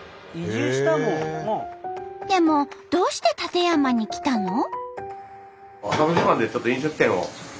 でもどうして館山に来たの？